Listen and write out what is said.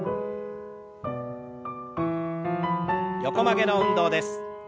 横曲げの運動です。